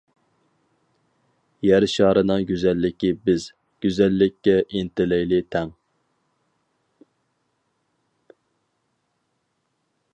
يەر شارىنىڭ گۈزەللىكى بىز، گۈزەللىككە ئىنتىلەيلى تەڭ.